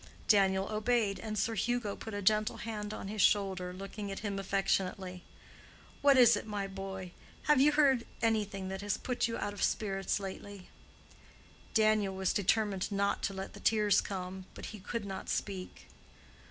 Daniel obeyed, and Sir Hugo put a gentle hand on his shoulder, looking at him affectionately. "What is it, my boy? Have you heard anything that has put you out of spirits lately?" Daniel was determined not to let the tears come, but he could not speak.